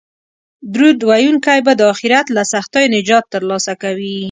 درود ویونکی به د اخرت له سختیو نجات ترلاسه کوي